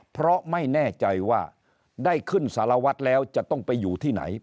เพราะไม่แน่ใจว่าได้ขึ้นสารวัตรแล้วจะต้องไปอยู่ที่ไหน